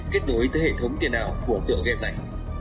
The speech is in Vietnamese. kết nối tới hệ thống tiền ảo của tựa game này